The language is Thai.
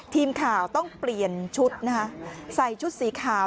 ทีมข่าวต้องเปลี่ยนชุดนะคะใส่ชุดสีขาว